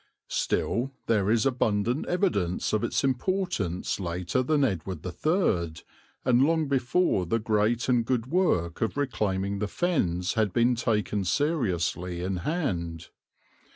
Still there is abundant evidence of its importance later than Edward III and long before the great and good work of reclaiming the Fens had been take seriously in hand.